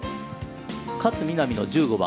勝みなみの１５番。